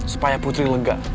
supaya putri lega